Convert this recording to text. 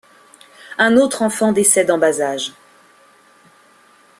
Un autre enfant décède en bas-âge.